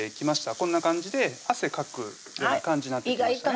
こんな感じで汗かくような感じになってきましたね